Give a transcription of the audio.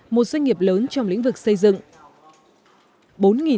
một doanh nghiệp lớn trong lĩnh vực xây dựng